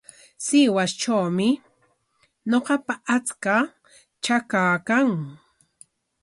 Sihuastrawmi ñuqapa achka trakaa kan.